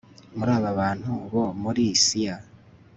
muri abantu bo muri cia